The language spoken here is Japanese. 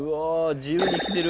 自由に生きてる。